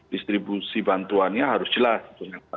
distribusi bantuannya harus jelas